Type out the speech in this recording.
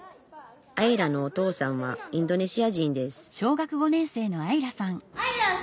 愛来のお父さんはインドネシア人です